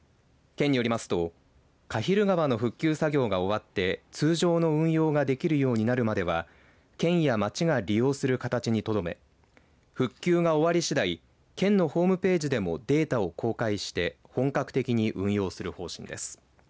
県によりますと鹿蒜川の復旧作業が終わって通常の運用ができるようになるまでは県や町が利用する形にとどめ復旧が終わりしだい県のホームページでもデータを公開して本格的に運用する方針です。